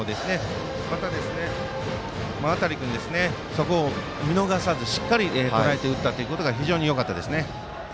また、馬渡君、そこを見逃さずしっかりとらえて打ったというのが非常によかったですね。